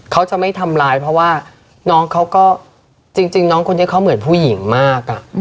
เขาจะไม่ทำร้ายเพราะว่าน้องเขาก็จริงน้องคนนี้เขาเหมือนผู้หญิงมาก